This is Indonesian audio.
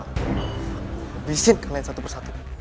abisin kalian satu persatu